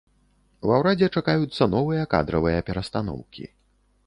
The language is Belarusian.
Ва ўрадзе чакаюцца новыя кадравыя перастаноўкі.